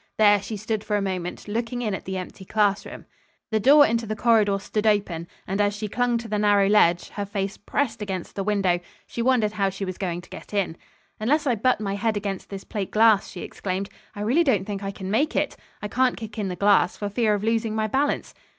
There she stood for a moment, looking in at the empty classroom. The door into the corridor stood open, and as she clung to the narrow ledge, her face pressed against the window, she wondered how she was going to get in. "Unless I butt my head against this plate glass," she exclaimed, "I really don't think I can make it. I can't kick in the glass, for fear of losing my balance."